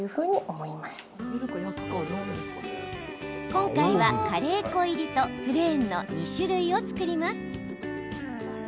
今回は、カレー粉入りとプレーンの２種類を作ります。